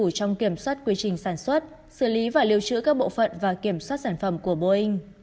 trong kiểm soát quy trình sản xuất xử lý và lưu trữ các bộ phận và kiểm soát sản phẩm của boeing